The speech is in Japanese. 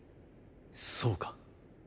そうか。